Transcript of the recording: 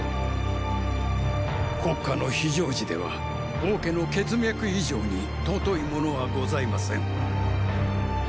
国家の非常時では王家の血脈以上に尊いものはございません。